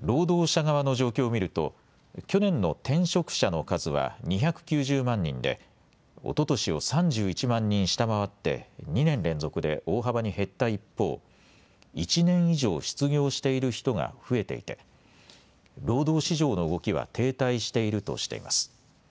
労働者側の状況を見ると去年の転職者の数は２９０万人でおととしを３１万人下回って２年連続で大幅に減った一方、１年以上、失業している人が増えていて労働市場の動きは停滞しているとしてます。